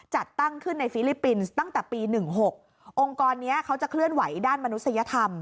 จัดตั้งขึ้นในฟิลิปปินส์ตั้งแต่ปี๑๖องค์กรนี้เขาจะเคลื่อนไหวด้านมนุษยธรรม